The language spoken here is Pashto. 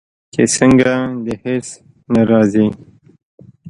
چې څنګه؟ د هیڅ نه رازیږې